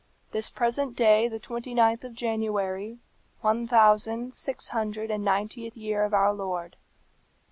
"This present day, the twenty ninth of January, one thousand six hundred and ninetieth year of our Lord.